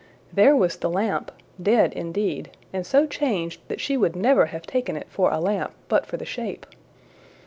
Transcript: There was the lamp dead indeed, and so changed that she would never have taken it for a lamp, but for the shape!